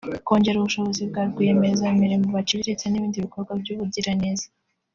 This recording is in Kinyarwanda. kongerera ubushobozi ba rwiyemezamirimo baciriritse n’ibindi bukorwa by’ubugiraneza